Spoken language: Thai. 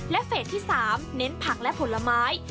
และเฟสที่๓เน้นผักและผลไม้